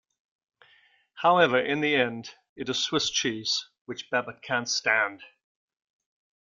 However, in the end, it is Swiss cheese, which Babbit can't stand.